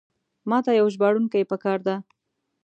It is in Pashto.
ماته یو ژباړونکی پکار ده.